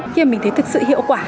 khi mà mình thấy thực sự hiệu quả